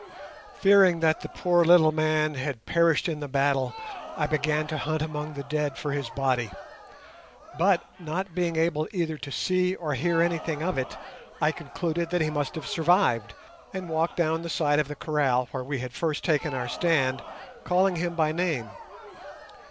Fearing that the poor little man had perished in the battle, I began to hunt among the dead for his body, but, not being able either to see or hear anything of it, I concluded that he must have survived, and walked down the side of the kraal where we had first taken our stand, calling him by name.